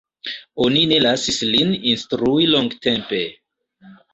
Oni ne lasis lin instrui longtempe.